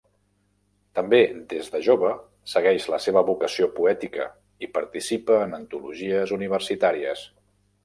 També des de jove segueix la seva vocació poètica i participa en antologies universitàries.